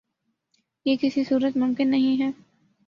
یہ کسی صورت ممکن نہیں ہے